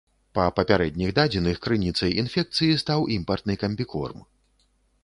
Па папярэдніх дадзеных, крыніцай інфекцыі стаў імпартны камбікорм.